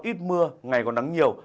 ít mưa ngày còn nắng nhiều